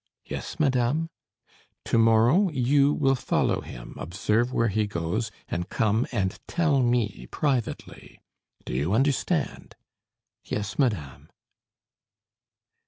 "Yes, madame." "To morrow, you will follow him; observe where he goes, and come and tell me privately. Do you understand?" "Yes, madame."